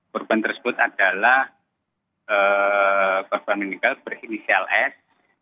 korban tersebut adalah korban meninggal berinisial s